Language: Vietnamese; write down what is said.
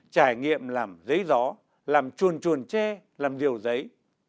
trải nghiệm làm giấy gió làm chuồn chuồn tre làm điều giấy